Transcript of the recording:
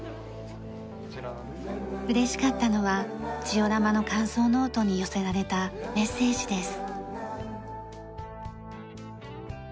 嬉しかったのはジオラマの感想ノートに寄せられたメッセージです。